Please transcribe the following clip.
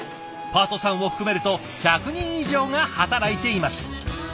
パートさんを含めると１００人以上が働いています。